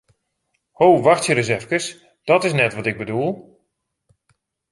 Ho, wachtsje ris efkes, dat is net wat ik bedoel!